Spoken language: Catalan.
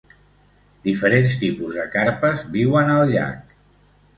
Diferents tipus de carpes viuen al llac.